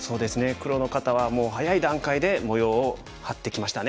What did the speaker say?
黒の方はもう早い段階で模様を張ってきましたね。